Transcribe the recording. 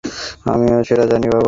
আমিও সেটা জানি, বাবা।